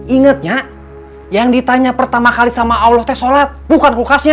ingetnya yang ditanya pertama kali sama allah teh sholat bukan kulkasnya